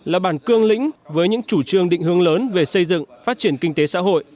là bàn cương lĩnh với những chủ trương định hướng lớn về xây dựng phát triển kinh tế xã hội